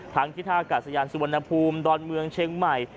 ที่ท่ากาศยานสุวรรณภูมิดอนเมืองเชียงใหม่